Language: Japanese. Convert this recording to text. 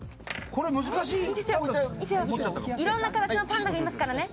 これ難しいいろんな形のパンダがいますからね。